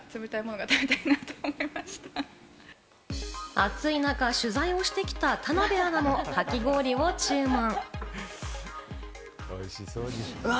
暑い中、取材をしてきた田辺アナも、かき氷を注文。わ！